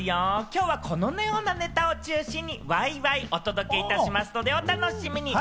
今日はこのようなネタを中心にワイワイお届けいたしますので、お楽しみに！